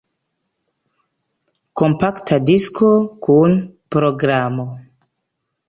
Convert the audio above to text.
Kompakta disko kun programo.